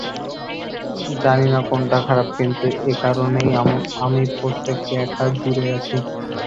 জানি না কোনটা খারাপ, কিন্তু একারণেই আমি প্রত্যেককে এক হাত দূরে রাখি।